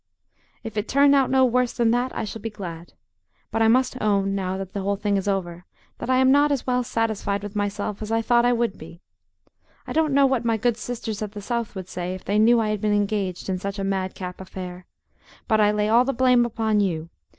"If it turn out no worse than that, I shall be glad. But I must own, now that the whole thing is over, that I am not as well satisfied with myself as I thought I would be. I don't know what my good sisters at the South would say, if they knew I had been engaged in such a mad cap affair. But I lay all the blame upon you.